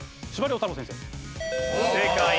正解。